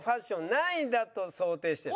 何位だと想定してるの？